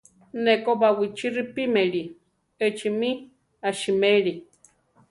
Ne ko Baʼwichí ripímeli; échi mí asiméli.